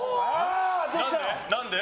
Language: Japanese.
何で？